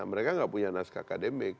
mereka nggak punya naskah akademik